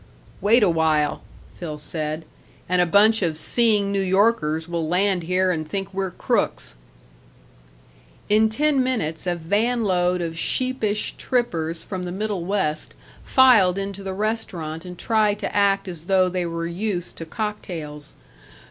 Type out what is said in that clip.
"Wait a while," Phil said, "and a bunch of Seeing New Yorkers will land here and think we're crooks." In ten minutes a van load of sheepish trippers from the Middle West filed into the restaurant and tried to act as though they were used to cocktails.